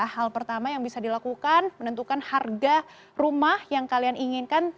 hal pertama yang bisa dilakukan menentukan harga rumah yang kalian inginkan